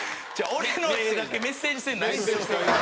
俺の絵だけメッセージ性ないんですよ。